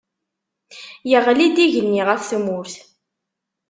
Yeɣli-d igenni ɣef tmurt